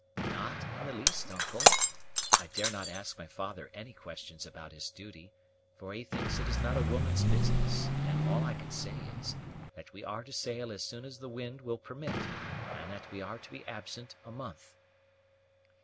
"Not in the least, uncle. I dare not ask my father any questions about his duty, for he thinks it is not a woman's business; and all I can say is, that we are to sail as soon as the wind will permit, and that we are to be absent a month."